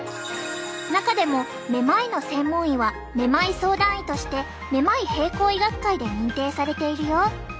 中でもめまいの専門医はめまい相談医としてめまい平衡医学会で認定されているよ。